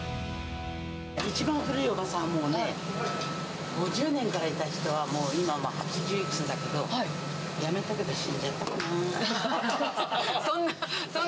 一番古いおばさん、もうね、５０年からいた人はもう、今、８０いくつだけど、辞めたけど、死んじゃったかなぁ。